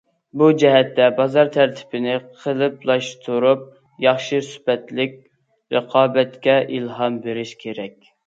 بۇ جەھەتتە، بازار تەرتىپىنى قېلىپلاشتۇرۇپ، ياخشى سۈپەتلىك رىقابەتكە ئىلھام بېرىش كېرەك.